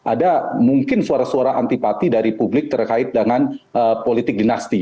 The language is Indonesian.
ada mungkin suara suara antipati dari publik terkait dengan politik dinasti